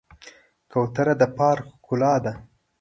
کوتره د پارک ښکلا ده.